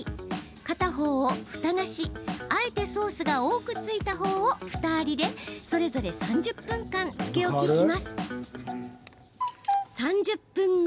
片方をふたなしあえてソースが多くついたほうをふたありでそれぞれ３０分間つけ置きします。